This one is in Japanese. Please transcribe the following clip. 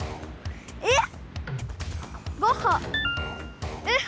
えっ？